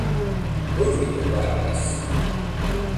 Rodrigo Vargas